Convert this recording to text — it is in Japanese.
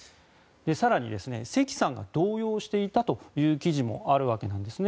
更に、セキさんが動揺していたという記事もあるわけなんですね。